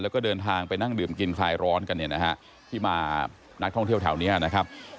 แล้วก็เดินทางไปนั่งดื่มกินคลายร้อนกันเนี่ยนะฮะที่มานักท่องเที่ยวแถวนี้นะครับ